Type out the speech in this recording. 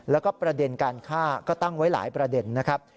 แล้วก็ประเด็นการฆ่าก็ตั้งไว้หลายประเด็นนะครับ